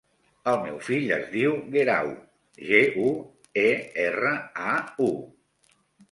El meu fill es diu Guerau: ge, u, e, erra, a, u.